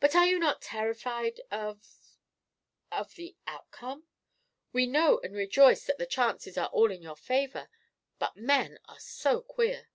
"But you are not terrified of of the outcome? We know and rejoice that the chances are all in your favour, but men are so queer."